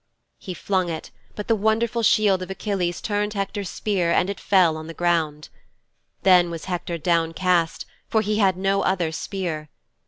"' 'He flung it, but the wonderful shield of Achilles turned Hector's spear and it fell on the ground. Then was Hector downcast, for he had no other spear.